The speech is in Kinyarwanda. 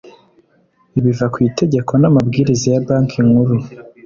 biva ku itegeko n amabwiriza ya banki nkuru